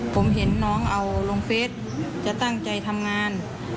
ผมเห็นน้องเอาลงเฟสจะตั้งใจทำงาน